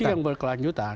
aksi yang berkelanjutan